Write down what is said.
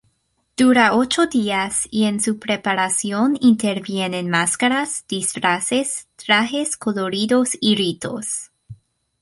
Dura ocho días y en su preparación intervienen máscaras, disfraces, trajes coloridos y ritos.